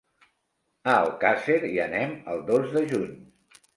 A Alcàsser hi anem el dos de juny.